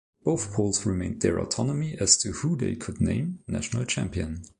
Both polls retained their autonomy as to who they could name national champion.